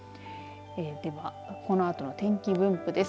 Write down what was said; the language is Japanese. では、このあとの天気分布です。